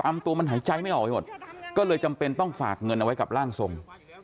ตัวมันหายใจไม่ออกไปหมดก็เลยจำเป็นต้องฝากเงินเอาไว้กับร่างทรง